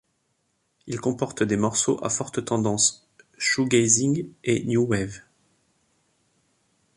Il comporte des morceaux à forte tendance shoegazing et new wave.